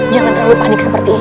jangan terlalu panik seperti ini